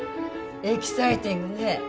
エキサイティングね